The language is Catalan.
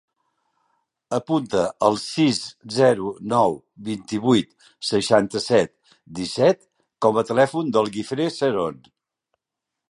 Apunta el sis, zero, nou, vint-i-vuit, seixanta-set, disset com a telèfon del Guifré Seron.